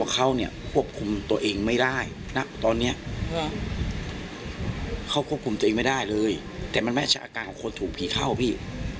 เขาควบคุมตัวเองไม่ได้เลยแต่มันไม่ใช่อาการของคนถูกผีเข้าพี่